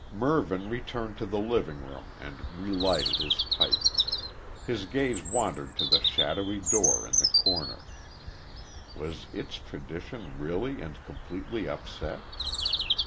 Mervyn returned to the living room and re lighted his pipe. His gaze wandered to the shadowy door in the corner. Was its tradition really and completely upset?